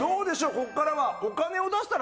ここからは。